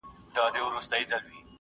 د خلکو خبرو ته ارزښت مه ورکوئ.